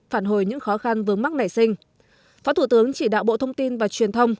phản hồi những khó khăn vướng mắc nảy sinh phó thủ tướng chỉ đạo bộ thông tin và truyền thông